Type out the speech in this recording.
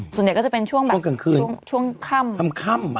ส่วนใหญ่ก็จะเป็นช่วงแบบช่วงกลางคืนช่วงค่ำค่ำ